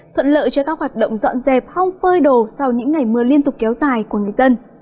thuận lợi cho các hoạt động dọn dẹp hong phơi đồ sau những ngày mưa liên tục kéo dài của người dân